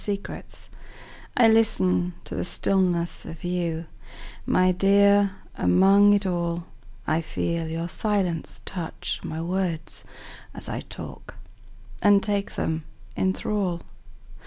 Listening I LISTEN to the stillness of you, My dear, among it all;I feel your silence touch my words as I talk, And take them in thrall.